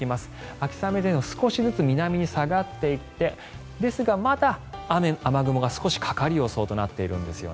秋雨前線も少しずつ南に下がっていってですが、まだ雨雲が少しかかる予想となっているんです。